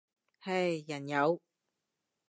唉，人有